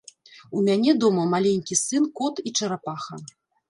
У мяне дома маленькі сын, кот і чарапаха.